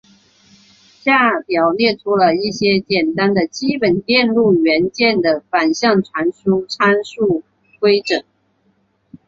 下表列出了一些简单的基本电路元件的反向传输参数矩阵。